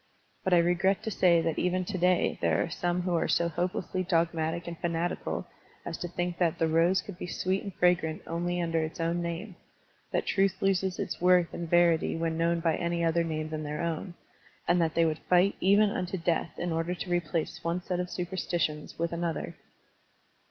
But I regret to say that even to day there are some who are so hopelessly dogmatic and fanatical as to think that the rose could be sweet and fragrant only under its own name, that truth loses its worth and verity when known by any other name than their own, and that they wotild fight even unto death in order to replace one set of superstitions with another.